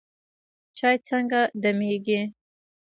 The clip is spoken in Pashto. چای څنګه دمیږي؟